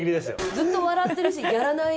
ずっと笑ってるしやらない。